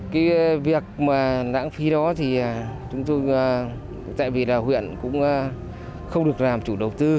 cái việc mà lãng phí đó thì chúng tôi tại vì là huyện cũng không được làm chủ đầu tư